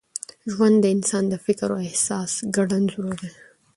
ژوند د انسان د فکر او احساس ګډ انځور دی.